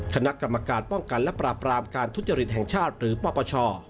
คณะกรรมการป้องกันและปราบรามการทุจริตแห่งชาติหรือปปช